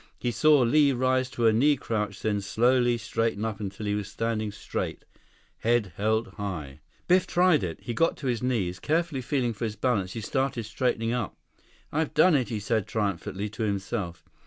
He saw Li rise to a knee crouch, then slowly straighten up until he was standing straight, head held high. 56 Biff tried it. He got to his knees. Carefully feeling for his balance, he started straightening up. "I've done it," he said triumphantly to himself.